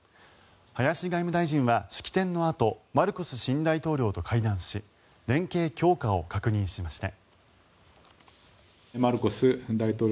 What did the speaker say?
林外務大臣は式典のあとマルコス新大統領と会談し連携強化を確認しました。